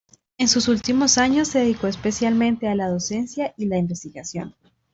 En sus últimos años se dedicó especialmente a la docencia y la investigación.